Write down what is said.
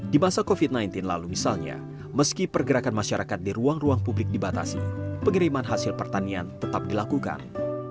di masa covid sembilan belas lalu misalnya meski pergerakan masyarakat di ruang ruang publik dibatasi pengiriman hasil pertanian tetap dilakukan